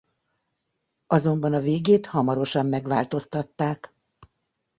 Azonban a végét hamarosan megváltoztatták.